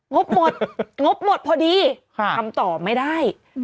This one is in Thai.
งบหมดงบหมดพอดีทำต่อไม่ได้